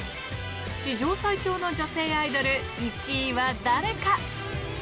史上最強の女性アイドル１位は誰か。